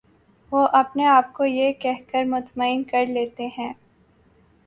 وہ اپنے آپ کو یہ کہہ کر مطمئن کر لیتے ہیں